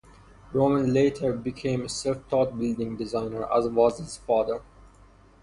Roman later became a self-taught building designer, as was his father.